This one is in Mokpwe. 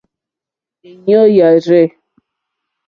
Èɲú yà rzɛ̂.